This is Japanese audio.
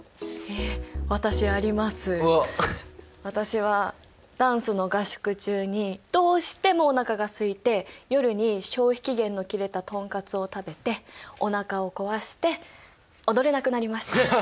私はダンスの合宿中にどうしてもおなかがすいて夜に消費期限の切れたトンカツを食べておなかを壊して踊れなくなりました。